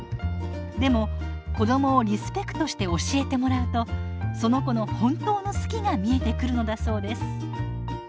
でも子どもをリスペクトして教えてもらうとその子の本当の「好き」が見えてくるのだそうです。